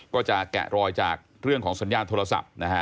ก็จะแกะรอยจากเรื่องของสัญญาณโทรศัพธ์